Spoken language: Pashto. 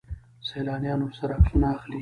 سیلانیان ورسره عکسونه اخلي.